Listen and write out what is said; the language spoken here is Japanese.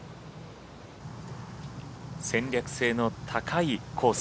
戦略性の高いコース